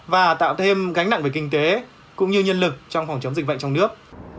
và tạo thêm gánh nặng về kinh tế cũng như nhân lực trong phòng chống dịch bệnh trong nước